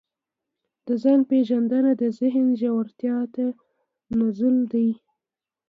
د ځان پېژندنه د ذهن ژورتیا ته نزول دی.